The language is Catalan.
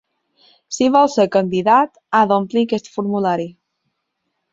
Si vol ser candidat, ha d'omplir aquest formulari.